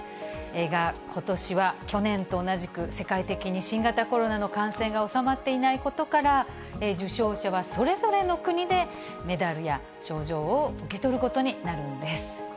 が、ことしは去年と同じく、世界的に新型コロナの感染が収まっていないことから、受賞者はそれぞれの国で、メダルや賞状を受け取ることになるんです。